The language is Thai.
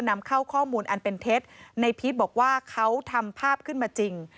นำเข้าข้อมูลอันเป็นเท็จในพีชบอกว่าเขาทำภาพขึ้นมาจริง